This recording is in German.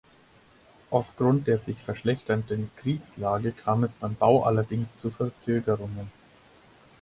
Aufgrund der sich verschlechternden Kriegslage kam es beim Bau allerdings zu Verzögerungen.